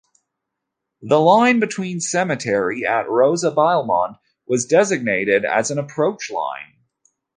The line between cemetery at Rosa and Bielmont was designated as an approach line.